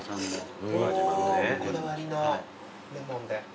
こだわりのレモンで。